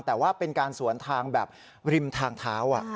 แต่ว่าเป็นการสวนทางแบบริมทางเท้า